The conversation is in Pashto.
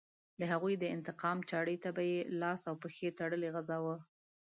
د هغوی د انتقام چاړې ته به یې لاس او پښې تړلې غځاوه.